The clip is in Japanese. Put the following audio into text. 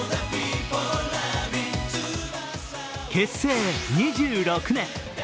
結成２６年。